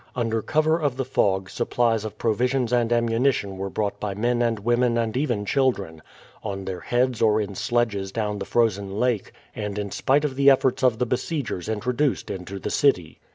Under cover of the fog supplies of provisions and ammunition were brought by men and women and even children, on their heads or in sledges down the frozen lake, and in spite of the efforts of the besiegers introduced into the city.